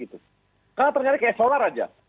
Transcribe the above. karena ternyata kayak solar aja